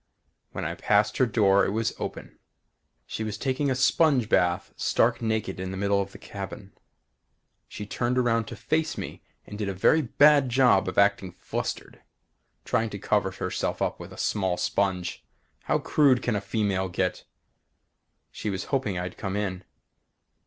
When I passed her door it was open. She was taking a sponge bath, stark naked in the middle of the cabin. She turned around to face me and did a very bad job of acting flustered, trying to cover herself up with a small sponge! How crude can a female get? She was hoping I'd come in.